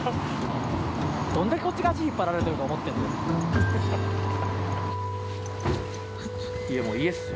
どんだけ、こっちが足引っ張られてると思ってるんだよ。